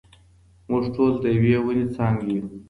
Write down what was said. موږ ټول د يوې وني څانګي يو.